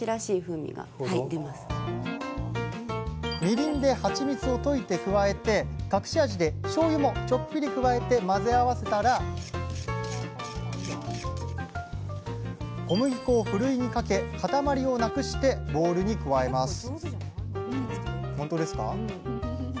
みりんではちみつを溶いて加えて隠し味でしょうゆもちょっぴり加えて混ぜ合わせたら小麦粉をふるいにかけ塊をなくしてボウルに加えます